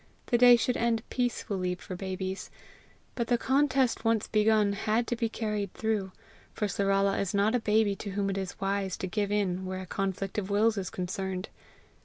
The day should end peacefully for babies; but the contest once begun had to be carried through, for Sarala is not a baby to whom it is wise to give in where a conflict of wills is concerned.